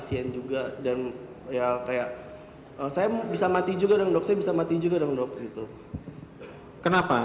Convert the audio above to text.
kemudian mencari tahu penyebabnya apa